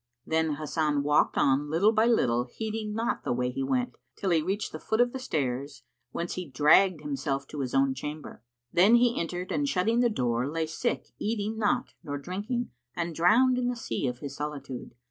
Then Hasan walked on, little by little, heeding not the way he went, till he reached the foot of the stairs, whence he dragged himself to his own chamber; then he entered and shutting the door, lay sick eating not nor drinking and drowned in the sea of his solitude.